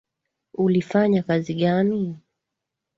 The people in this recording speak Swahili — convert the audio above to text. Ulifanya kazi gani?